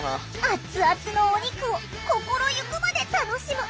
アッツアツのお肉を心ゆくまで楽しむ。